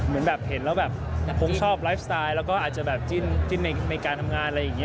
ไม่เคยไปกับสาวคนหนึ่ง